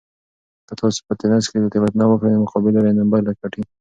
که تاسي په تېنس کې تېروتنه وکړئ نو مقابل لوری نمبر ګټي.